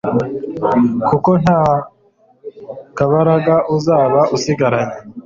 kuko nta kabaraga uzaba usigaranye